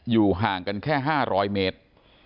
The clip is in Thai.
อยู่ห่างกันแค่๕๐๐เมตร